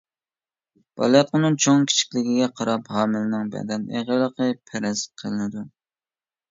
بالىياتقۇنىڭ چوڭ-كىچىكلىكىگە قاراپ ھامىلىنىڭ بەدەن ئېغىرلىقى پەرەز قىلىنىدۇ.